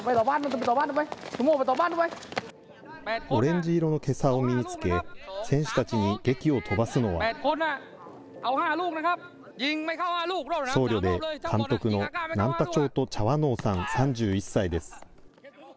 オレンジ色のけさを身につけ、選手たちにげきを飛ばすのは、僧侶で監督のナンタチョート・チャワノーさん３１歳です。